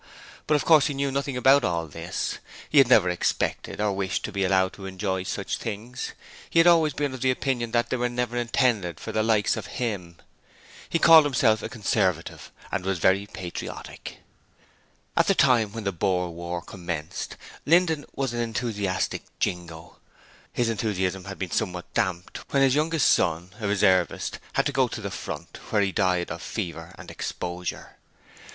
But of course he knew nothing about all this. He had never expected or wished to be allowed to enjoy such things; he had always been of opinion that they were never intended for the likes of him. He called himself a Conservative and was very patriotic. At the time when the Boer War commenced, Linden was an enthusiastic jingo: his enthusiasm had been somewhat damped when his youngest son, a reservist, had to go to the front, where he died of fever and exposure.